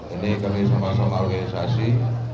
ini kami sama sama organisasi